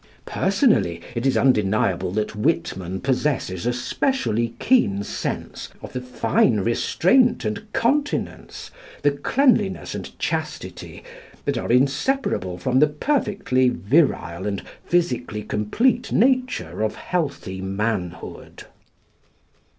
Personally, it is undeniable that Whitman possesses a specially keen sense of the fine restraint and continence, the cleanliness and chastity, that are inseparable from the perfectly virile and physically complete nature of healthy manhood.